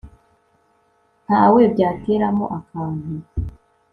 ntawe byateramo akantu